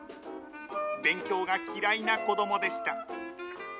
勉強が嫌いな子どもでした。